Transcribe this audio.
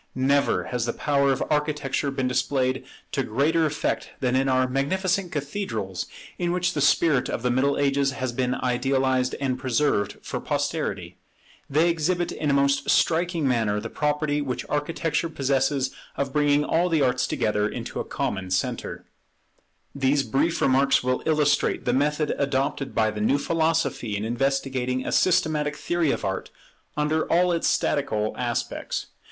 Never has the power of Architecture been displayed to greater effect than in our magnificent cathedrals, in which the spirit of the Middle Ages has been idealized and preserved for posterity. They exhibit in a most striking manner the property which Architecture possesses of bringing all the arts together into a common centre. [The conditions favourable to Art have never yet been combined] These brief remarks will illustrate the method adopted by the new philosophy in investigating a systematic theory of Art under all its statical aspects.